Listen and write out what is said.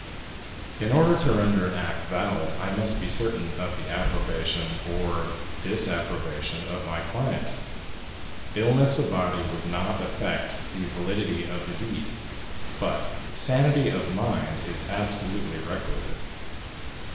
"In order to render an act valid, I must be certain of the approbation or disapprobation of my client. Illness of body would not affect the validity of the deed, but sanity of mind is absolutely requisite."